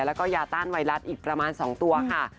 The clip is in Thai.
แล้วก็ยาต้านไวรัสอีกประมาณ๒ตัวค่ะ